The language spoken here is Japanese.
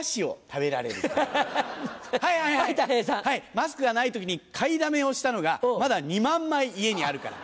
マスクがない時に買いだめをしたのがまだ２万枚家にあるから。